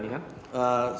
terdakwa terus apa yang